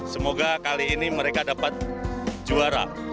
semoga kali ini mereka dapat juara